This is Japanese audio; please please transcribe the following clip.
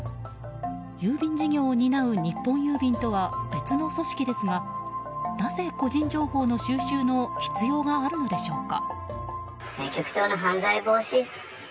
郵便事業を担う日本郵便とは別の組織ですがなぜ個人情報の収集の必要があるのでしょうか。